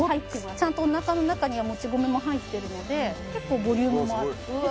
ちゃんとおなかの中にはもち米も入ってるので結構ボリュームもあるうわ